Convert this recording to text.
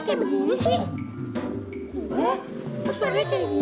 kok suara kita kayak begini sih